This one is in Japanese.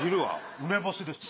梅干しですね。